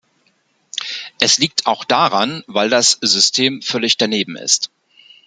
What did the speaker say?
Es liegt auch daran, weil das System völlig daneben ist.